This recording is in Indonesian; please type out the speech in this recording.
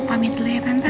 amit dulu ya tante